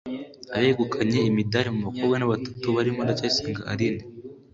Abegukanye imidali mu bakobwa ni batatu barimo Ndacyayisenga Aline